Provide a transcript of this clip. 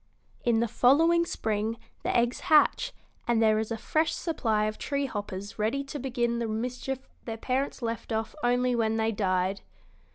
In the following spring the eggs hatch, and there is a fresh supply of tree hoppers ready to begin the mischief their parents left off only when they died."